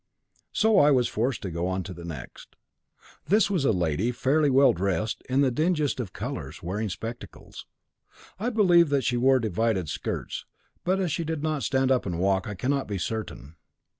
So I was forced to go on to the next. This was a lady fairly well dressed in the dingiest of colours, wearing spectacles. I believe that she wore divided skirts, but as she did not stand up and walk, I cannot be certain.